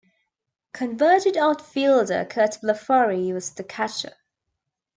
Converted outfielder Curt Blefary was the catcher.